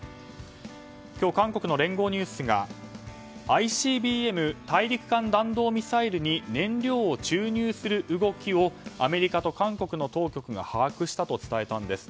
今日、韓国の聯合ニュースがＩＣＢＭ・大陸間弾道ミサイルに燃料を注入する動きをアメリカと韓国の当局が把握したと伝えたんです。